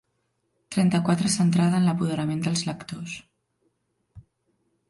Trenta-quatre centrada en l'apoderament dels lectors.